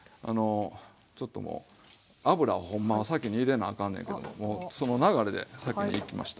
ちょっともう油をほんまは先に入れなあかんねんけどももうその流れで先にいきました。